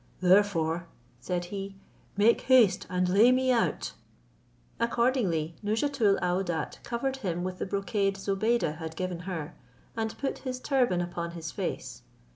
"Therefore," said he, "make haste and lay me out." Accordingly Nouzhatoul aouadat covered him with the brocade Zobeide had given her, and put his turban upon his face.